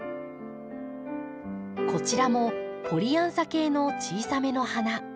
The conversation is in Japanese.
こちらもポリアンサ系の小さめの花。